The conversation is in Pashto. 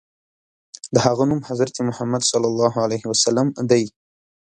د هغه نوم حضرت محمد ص دی.